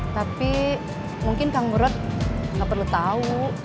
tapi mungkin kang gurat nggak perlu tahu